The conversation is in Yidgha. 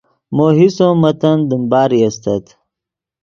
مو حصو متن دیم باری استت